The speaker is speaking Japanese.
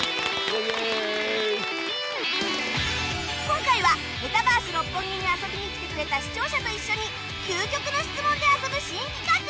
今回はメタバース六本木に遊びに来てくれた視聴者と一緒に究極の質問で遊ぶ新企画！